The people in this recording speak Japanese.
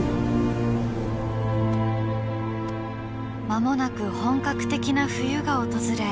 間もなく本格的な冬が訪れ